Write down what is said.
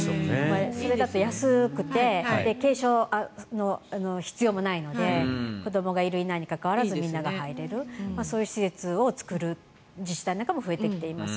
それだと安くて継承の必要もないので子どもがいるいないに関わらずみんなが入れるそういう施設を作る自治体なんかも増えてきています。